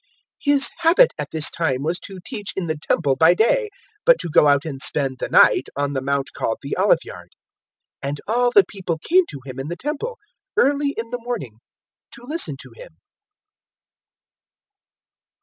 021:037 His habit at this time was to teach in the Temple by day, but to go out and spend the night on the Mount called the Oliveyard. 021:038 And all the people came to Him in the Temple, early in the morning, to listen to Him.